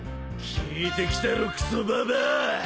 効いてきたろクソババア！